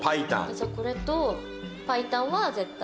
じゃあこれと白湯は絶対。